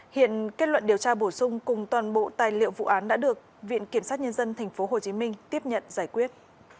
hiện kết luận điều tra bổ sung cùng toàn bộ tài liệu vụ án đã được viện kiểm sát nhân dân tp hcm tiếp nhận giải quyết